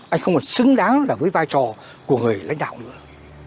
anh không còn xứng đáng là với vai trò của người lãnh đạo nữa